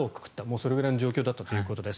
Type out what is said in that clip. それぐらいの状況だったということです。